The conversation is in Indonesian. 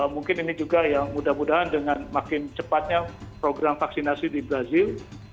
mungkin ini juga ya mudah mudahan dengan makin cepatnya program vaksinasi di brazil